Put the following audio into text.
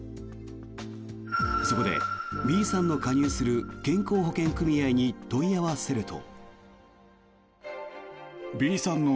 そこでＢさんの加入する健康保険組合に問い合わせると。